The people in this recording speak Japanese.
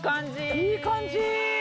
いい感じ！